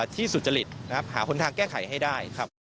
ที่สุจริตว์หาผลทางแก้ไขให้ได้